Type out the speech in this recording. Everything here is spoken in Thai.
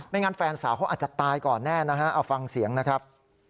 งั้นแฟนสาวเขาอาจจะตายก่อนแน่นะฮะเอาฟังเสียงนะครับ